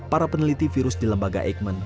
para peneliti virus di lembaga eijkman